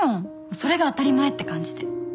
それが当たり前って感じで。